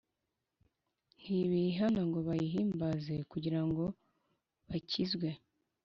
ntibīhana ngo bayihimbaze kugirango bakizwe